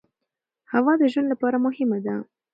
هوا د ژوند لپاره مهمه ده.